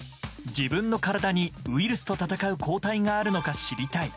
自分の体にウイルスと闘う抗体があるのか知りたい。